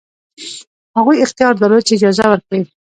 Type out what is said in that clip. هغوی اختیار درلود چې اجازه ورکړي.